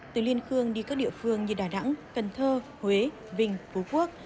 từ liên khương đi các địa phương như đà nẵng cần thơ huế vinh phú quốc